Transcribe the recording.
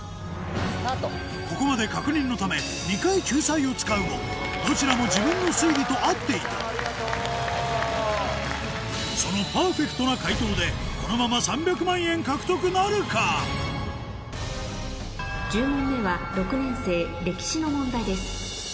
ここまで確認のため２回救済を使うもどちらも自分の推理と合っていたそのパーフェクトな解答でこのまま１０問目は６年生歴史の問題です